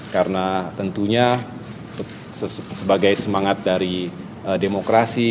karena tentunya sebagai semangat dari demokrasi